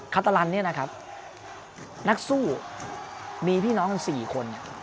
คาตารันด์นะครับนักสู้มีพี่น้องสี่คน